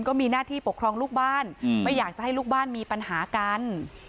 ก็มีหน้าที่ปกครองลูกบ้านไม่อยากจะให้ลูกบ้านมีปัญหากัน